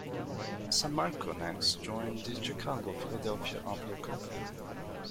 Sammarco next joined the Chicago-Philadelphia opera company.